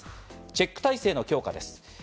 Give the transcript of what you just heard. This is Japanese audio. チェック体制の強化です。